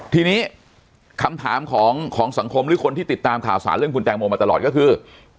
ทีนี้คำถามของสังคมหรือคนที่ติดตามข่าวสารเรื่องคุณแตงโมมาตลอดก็คือ